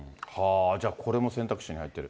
じゃあこれも選択肢に入っている。